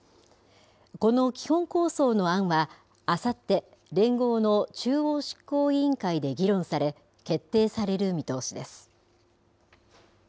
この基本構想の案は、あさって、連合の中央執行委員会で議論され、決定される見通しです。